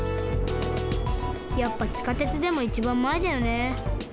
やっぱ地下鉄でもいちばんまえだよね。